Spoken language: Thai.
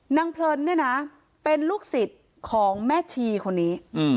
เพลินเนี่ยนะเป็นลูกศิษย์ของแม่ชีคนนี้